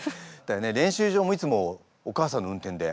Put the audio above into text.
練習場もいつもお母さんの運転で？